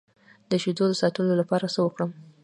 د شیدو د ساتلو لپاره څه وکړم؟